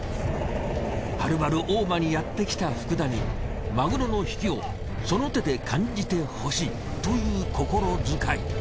はるばる大間にやってきた福田にマグロの引きをその手で感じてほしいという心遣い。